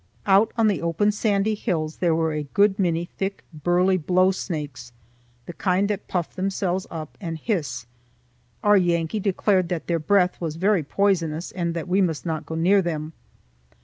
Out on the open sandy hills there were a good many thick burly blow snakes, the kind that puff themselves up and hiss. Our Yankee declared that their breath was very poisonous and that we must not go near them.